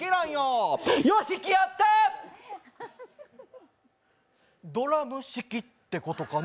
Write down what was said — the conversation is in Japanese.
ヨシキ？ドラム式ってことかな？